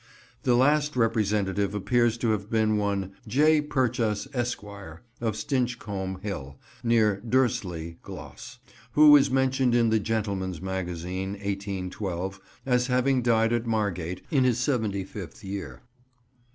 The last representative appears to have been one "J. Purchas, Esq., of Stinchcombe Hill, near Dursley, Glos.," who is mentioned in the Gentleman's Magazine, 1812, as having died at Margate, in his seventy fifth year.